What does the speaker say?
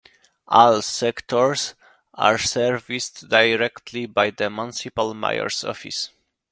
All "sectores" are serviced directly by the municipal mayor's office.